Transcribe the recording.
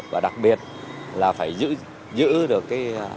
và đặc biệt là phải giữ được